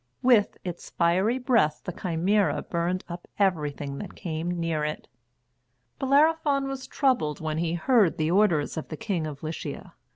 With its fiery breath the Chimæra burned up everything that came near it. Bellerophon was troubled when he heard the orders of the King of Lycia.